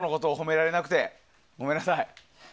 前回はうまく省吾のことを褒められなくてごめんなさい。